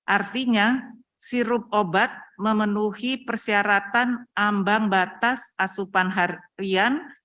artinya sirup obat memenuhi persyaratan ambang batas asupan harian